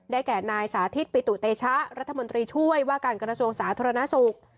แก่นายสาธิตปิตุเตชะรัฐมนตรีช่วยว่าการกระทรวงสาธารณสุข